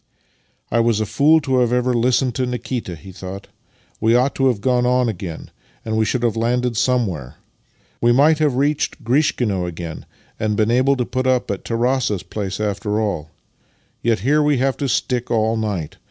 " I was a fool ever to have listened to Nikita," he thought. " We ought to have gone on again, and we should have landed somewhere. We might have reached Grishkino again, and been able to put up at Tarass's place after all. Yet here we have to stick all night!